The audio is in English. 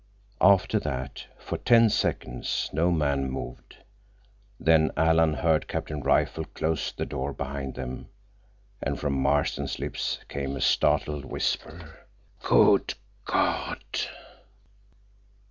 After that, for ten seconds, no man moved. Then Alan heard Captain Rifle close the door behind them, and from Marston's lips came a startled whisper: "Good God!"